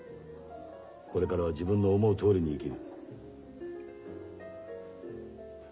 これからは自分の思うとおりに生きる。